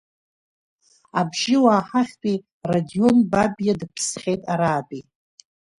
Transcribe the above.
Абжьыуаа ҳахьтәи Радион Бабиа дыԥсхьеит, араатәи…